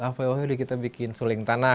apa ya udah kita bikin suling tanah